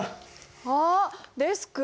ああデスク